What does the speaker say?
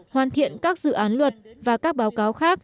hoàn thiện các dự án luật và các báo cáo khác